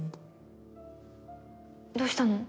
どうしたの？